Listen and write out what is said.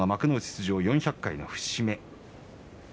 出場４００回の節目。